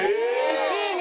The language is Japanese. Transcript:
１位に。